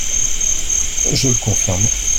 Je le confirme.